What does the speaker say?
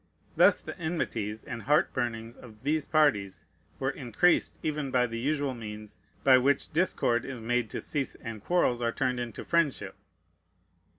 Thus the enmities and heart burnings of these parties were increased even by the usual means by which discord is made to cease and quarrels are turned into friendship.